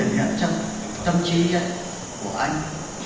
để nhận trong tâm trí của anh